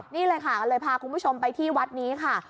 นี่เลยค่ะก็เลยพาคุณผู้ชมไปที่วัดนี้ค่ะ